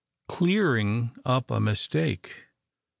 CLEARING UP A MISTAKE.